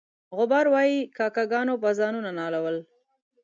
غبار وایي کاکه ګانو به ځانونه نالول.